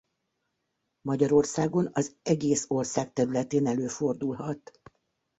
Magyarországon az egész ország területén előfordulhat.